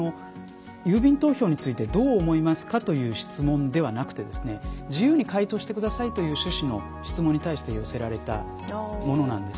郵便投票についてどう思いますか？という質問ではなくて自由に回答してくださいという趣旨の質問に対して寄せられたものなんですね。